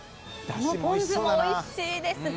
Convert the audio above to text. このポン酢もおいしいですね。